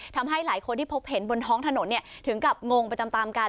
ทำให้หลายคนที่พบเห็นบนท้องถนนถึงกับงงไปตามกัน